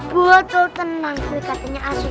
buat lo tenang kulik katanya asyik